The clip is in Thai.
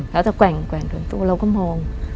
แล้วจะแกร่งโดนตู้เราก็มอง